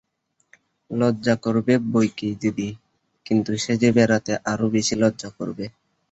লজ্জা করবে বৈকি দিদি, কিন্তু সেজে বেরোতে আরো বেশি লজ্জা করবে।